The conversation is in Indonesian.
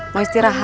mau istirahat ya